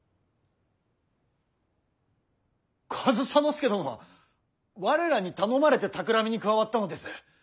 上総介殿は我らに頼まれてたくらみに加わったのです。